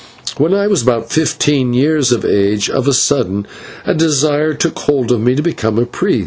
When I was about fifteen years of age, of a sudden a desire took hold of me to become a priest.